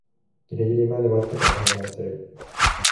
ギリギリまで待ってから判断する